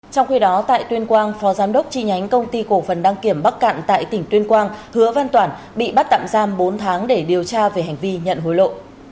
trong khi đó tại tuyên quang phó giám đốc tri nhánh công ty cổ phần đăng kiểm bắc cạn tại tỉnh tuyên quang hứa văn toản bị bắt tạm giam bốn tháng để điều tra về hành vi nhận hối lộ